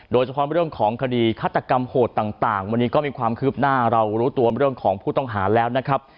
โดยเฉพาะเรื่องของคดีฆาตกรรมโหดต่างวันนี้ก็มีความคืบหน้าเรารู้ตัวเรื่องของผู้ต้องหาแล้วนะครับ